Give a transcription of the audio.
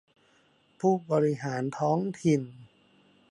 ผู้บริหารท้องถิ่น